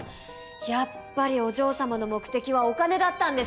やっぱりお嬢様の目的はお金だったんですね。